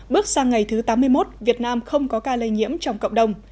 bước sang ngày thứ tám mươi một việt nam không có ca lây nhiễm trong cộng đồng